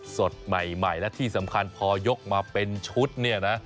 สดใหม่และที่สำคัญพอยกมาเป็นชุดเนี่ยนะ